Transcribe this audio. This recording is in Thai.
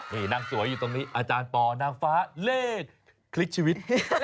นี่นั่งสวยอยู่ตรงนี้อาจารย์ปอนางฟ้าเลขคลิกชีวิต